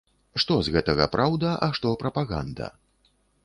Што з гэтага праўда, а што прапаганда?